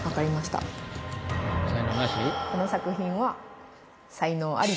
この作品は。